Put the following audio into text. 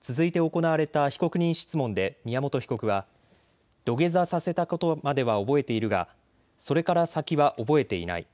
続いて行われた被告人質問で宮本被告は土下座させたことまでは覚えているがそれから先は覚えていない。